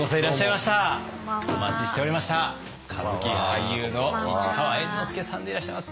歌舞伎俳優の市川猿之助さんでいらっしゃいます。